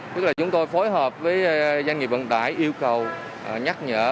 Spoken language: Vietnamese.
tức là chúng tôi phối hợp với doanh nghiệp vận tải yêu cầu nhắc nhở